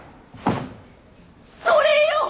それよ！